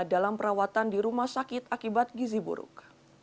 dalam perawatan di rumah sakit akibat gizi buruk